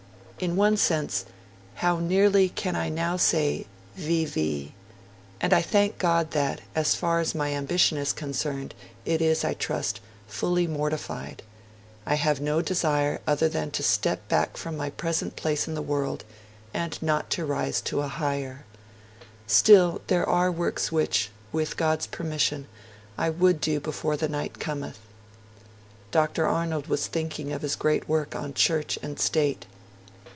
In one sense how nearly can I now say, "Vivi". And I thank God that, as far as ambition is concerned, it is, I trust, fully mortified; I have no desire other than to step back from my present place in the world, and not to rise to a higher. Still there are works which, with God's permission, I would do before the night cometh.' Dr. Arnold was thinking of his great work on Church and State.